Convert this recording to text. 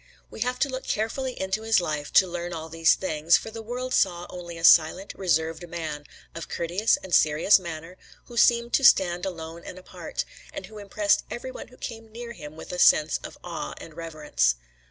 We have to look carefully into his life to learn all these things, for the world saw only a silent, reserved man, of courteous and serious manner, who seemed to stand alone and apart, and who impressed every one who came near him with a sense of awe and reverence.